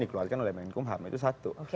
dikeluarkan oleh menkumham itu satu